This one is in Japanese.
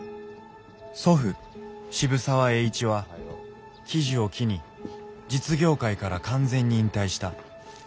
祖父渋沢栄一は喜寿を機に実業界から完全に引退した。